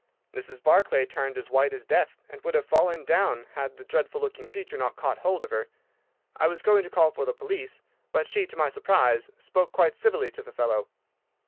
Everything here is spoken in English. Mrs. Barclay turned as white as death, and would have fallen down had the dreadful looking creature not caught hold of her. I was going to call for the police, but she, to my surprise, spoke quite civilly to the fellow.